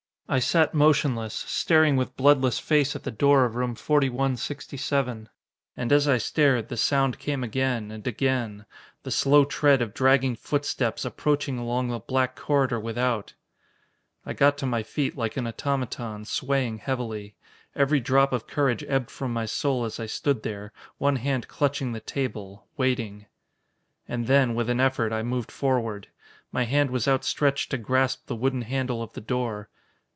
I sat motionless, staring with bloodless face at the door of room 4167. And as I stared, the sound came again, and again the slow tread of dragging footsteps, approaching along the black corridor without! I got to my feet like an automaton, swaying heavily. Every drop of courage ebbed from my soul as I stood there, one hand clutching the table, waiting.... And then, with an effort, I moved forward. My hand was outstretched to grasp the wooden handle of the door.